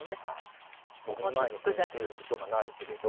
僕の前にこんなテーブルとかないけれど。